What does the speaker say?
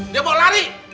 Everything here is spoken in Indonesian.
dia mau lari